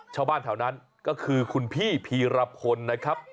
ชาวบ้านแถวนั้นก็คือคุณพี่พีรพลนะครับ